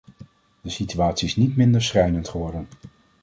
De situatie is niet minder schrijnend geworden.